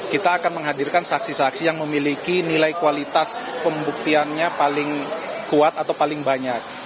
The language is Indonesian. kita akan menghadirkan saksi saksi yang memiliki nilai kualitas pembuktiannya paling kuat atau paling banyak